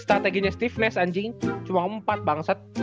strateginya stiffness anjing cuma empat bangsat